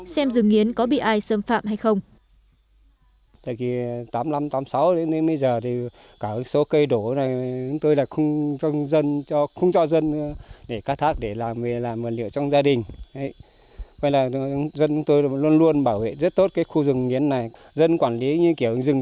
xem rừng nghiến có bị ai xâm phạm hay không